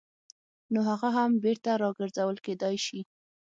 نو هغه هم بېرته راګرځول کېدای شي.